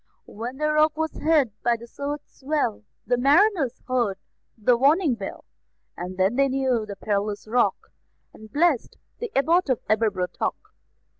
When the Rock was hid by the surge's swell, The mariners heard the warning bell; And then they knew the perilous Rock, And blessed the Abbot of Aberbrothock.